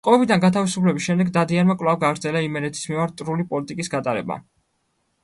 ტყვეობიდან გათავისუფლების შემდეგ დადიანმა კვლავ გააგრძელა იმერეთის მიმართ მტრული პოლიტიკის გატარება.